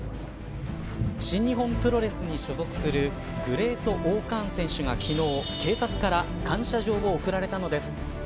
新日本プロレスに所属するグレート‐Ｏ‐カーン選手が昨日警察から感謝状を贈られたのです。